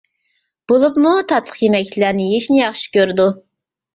بولۇپمۇ تاتلىق يېمەكلىكلەرنى يېيىشنى ياخشى كۆرىدۇ.